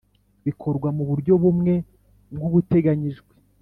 bikorwa mu buryo bumwe nk ubuteganyijwe